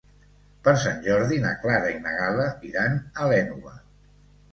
Per Sant Jordi na Clara i na Gal·la iran a l'Énova.